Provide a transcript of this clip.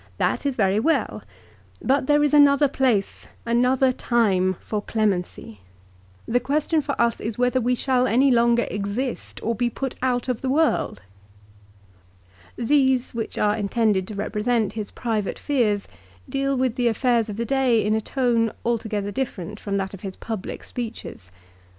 That is very well. But there is another place, another time, for clemency. The question for us is whether we shall any longer exist or be put out of the world." These, which are intended to represent his private fears, deal with the affairs of the day in a tone altogether different from that of his public speeches.